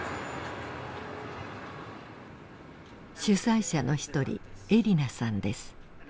主催者の一人エリナさんです。